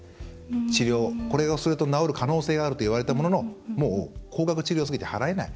治療をすると治る可能性があると言われたものの高額治療過ぎて払えない。